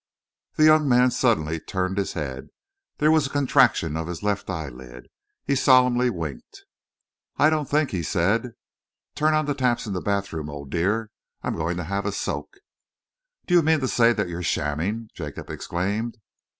The young man suddenly turned his head. There was a contraction of his left eyelid. He solemnly winked. "I don't think!" he said. "Turn on the taps in the bathroom, old dear. I'm going to have a soak." "Do you mean to say that you're shamming?" Jacob exclaimed.